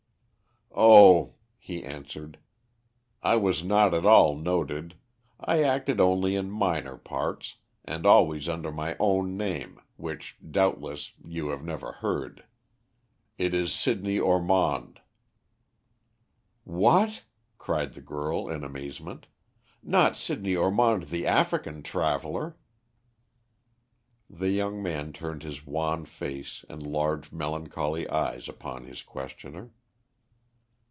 "Oh," he answered, "I was not at all noted. I acted only in minor parts, and always under my own name, which, doubtless, you have never heard it is Sidney Ormond." "What!" cried the girl in amazement; "not Sidney Ormond the African traveller?" The young man turned his wan face and large, melancholy eyes upon his questioner.